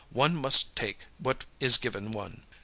One must take what is given one.